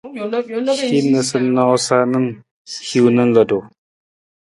Hin noosanoosa na hiwung na ludu.